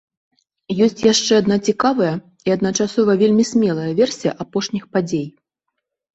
Ёсць яшчэ адна цікавая і адначасова вельмі смелая версія апошніх падзей.